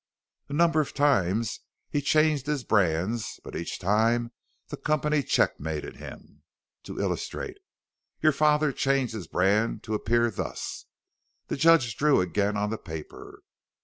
"A number of times he changed his brands but each time the company checkmated him. To illustrate: Your father changed his brand to appear thus:" The judge drew again on the paper.